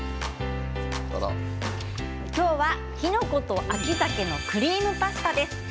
今日は、きのこと秋ざけのクリームパスタです。